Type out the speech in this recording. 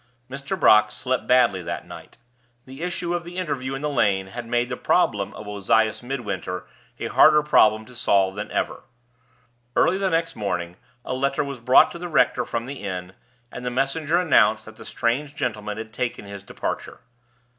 Mr. Brock slept badly that night. The issue of the interview in the lane had made the problem of Ozias Midwinter a harder problem to solve than ever. Early the next morning a letter was brought to the rector from the inn, and the messenger announced that the strange gentleman had taken his departure.